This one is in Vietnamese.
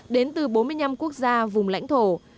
đến từ bốn mươi năm quốc gia vùng lãnh thổ